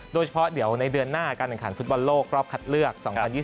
โดยเฉพาะเดี๋ยวในเดือนหน้าการแข่งขันฟุตบอลโลกรอบคัดเลือก๒๐๒๐